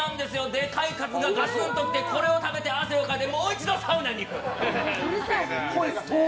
でかいカツが、がつんとのってこれを食べて汗をかいてもう一度、サウナに行く！